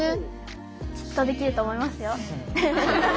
きっとできると思いますよ。